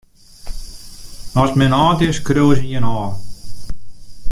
Ast men âld is, skriuwe se jin ôf.